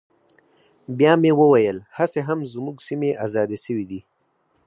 بيا مې وويل هسې هم زموږ سيمې ازادې سوي دي.